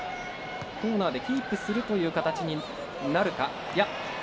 コーナーでキープをするという形になるか。